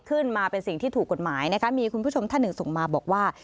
มาเป็นสิ่งที่ถูกกฎหมายนะคะมีคุณผู้ชมท่านหนึ่งส่งมาบอกว่า